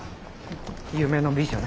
夢の美女ね。